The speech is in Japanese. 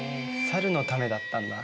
猿のためだったんだ。